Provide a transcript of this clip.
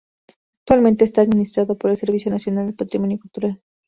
Actualmente está administrado por el Servicio Nacional del Patrimonio Cultural.